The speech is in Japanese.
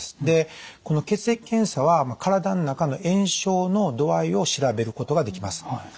でこの血液検査は体の中の炎症の度合いを調べることができます。